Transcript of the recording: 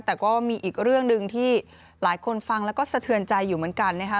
แต่ก็มีอีกเรื่องหนึ่งที่หลายคนฟังแล้วก็สะเทือนใจอยู่เหมือนกันนะคะ